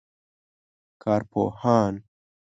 کارپوهان